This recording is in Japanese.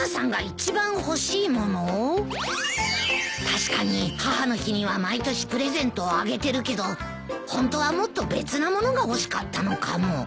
確かに母の日には毎年プレゼントをあげてるけどホントはもっと別なものが欲しかったのかも。